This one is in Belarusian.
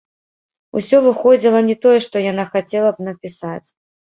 Усё выходзіла не тое, што яна хацела б напісаць.